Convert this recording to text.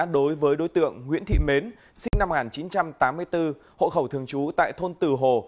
đối với đối tượng nguyễn thị mến sinh năm một nghìn chín trăm tám mươi bốn hộ khẩu thường trú tại thôn từ hồ